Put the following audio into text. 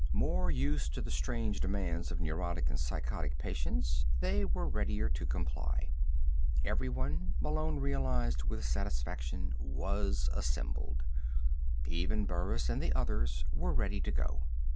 More used to the strange demands of neurotic and psychotic patients, they were readier to comply. Everyone, Malone realized with satisfaction, was assembled. Even Burris and the others were ready to go.